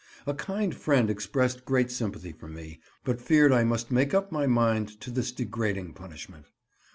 A kind friend expressed great sympathy for me, but feared I must make up my mind to this degrading punishment.